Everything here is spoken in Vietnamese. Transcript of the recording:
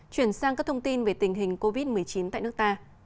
chuyển sang các thông tin về tình hình covid một mươi chín tại nước ta